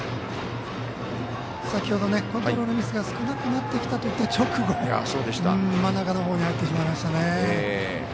先ほどコントロールミスが少なくなってきたと言った直後に真ん中のほうに入ってしまいましたね。